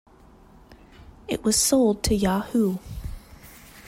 It was sold to Yahoo!